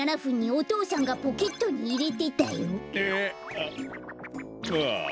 あっああ。